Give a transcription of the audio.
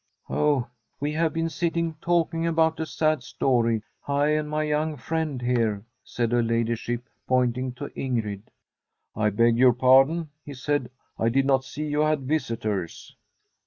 ' We have been sitting talking about a sad story, I and my young friend here,' said her ladyship, pointing to Ingrid. ' I beg your pardon,' he said. * I did not see you had visitors.'